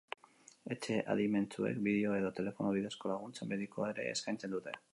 Etxe adimentsuek bideo edo telefono bidezko laguntza medikoa ere eskaintzen dute.